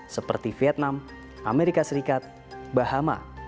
seperti vietnam amerika serikat bahama